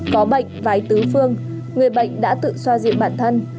có bệnh vái tứ phương người bệnh đã tự xoa dịu bản thân